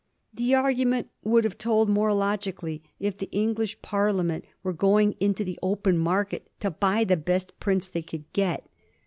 The argument would have told more logically if the English Parliament were going into the open market to buy the best prince they could get.